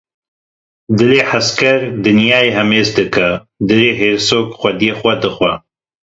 Dilê hezker dinyayê himêz dike, dilê hêrsok xwediyê xwe dixwe.